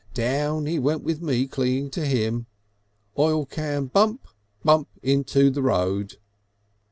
Down he went with me clinging to him. Oil can blump, blump into the road."